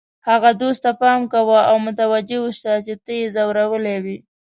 هغه دوست ته پام کوه او متوجه اوسه چې تا یې ځورولی وي.